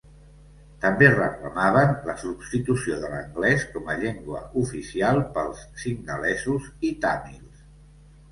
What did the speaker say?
També reclamaven la substitució de l'anglès com a llengua oficial pels singalesos i tàmils.